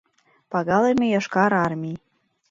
Пагалыме Йошкар Армий!